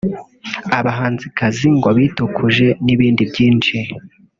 abahanzikazi ngo bitukuje n’ibindi byinshi